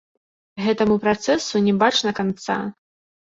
Гэтаму працэсу не бачна канца.